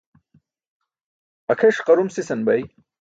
Akʰeṣ qarum sisan bay.